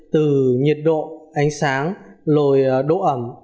từ nhiệt độ ánh sáng lồi độ ẩm